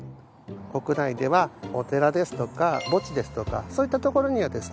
国内ではお寺ですとか墓地ですとかそういった所にはですね